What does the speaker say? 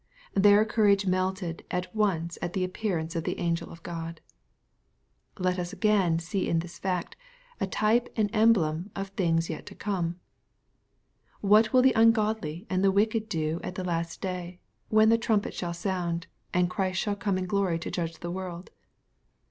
Their courage melted at once at the appearance of one angel of God. Let us again see in this fact, a type and emblem of things yet to come. What will the ungodly and tho wicked do at the last day, when the trumpet shall sound, and Christ shall come in glory to judge the world